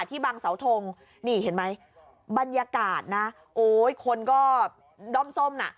ที่บางเสาทงนี่เห็นไหมบรรยากาศนะโอ้ยคนก็ด้อมส้มน่ะ